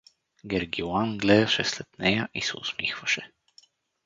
Гергилан гледаше след нея и се усмихваше.